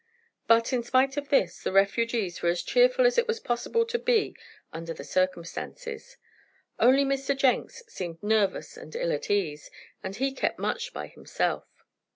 But, in spite of this, the refugees were as cheerful as it was possible to be under the circumstances. Only Mr. Jenks seemed nervous and ill at ease, and he kept much by himself.